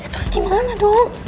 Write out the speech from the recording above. terus dimana dong